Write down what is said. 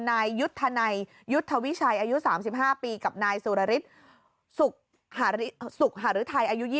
นายยุทธนัยยุทธวิชัยอายุ๓๕ปีกับนายสุรริษฐ์